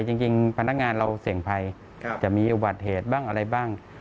จริงพนักงานเราเสี่ยงภัยจะมีอุบัติเหตุบ้างอะไรบ้าง